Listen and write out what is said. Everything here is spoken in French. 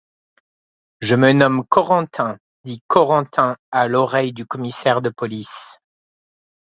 Je me nomme Corentin, dit Corentin à l’oreille du commissaire de police.